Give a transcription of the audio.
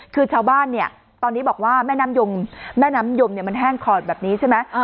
คือชาวบ้านเนี่ยตอนนี้บอกว่าแม่น้ำยมแม่น้ำยมมันแห้งขอดแบบนี้ใช่ไหม